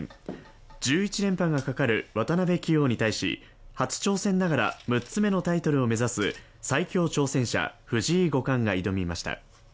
１１連覇がかかる渡辺棋王に対し、初挑戦ながら６つ目のタイトルを目指す最強挑戦者、藤井五冠が挑みました。